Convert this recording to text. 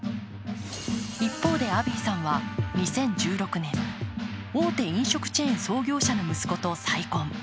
一方で、アビーさんは２０１６年、大手飲食チェーン創業者の息子と再婚。